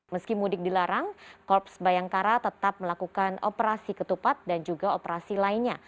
meski mudik dilarang korps bayangkara tetap melakukan operasi ketupat dan juga operasi lainnya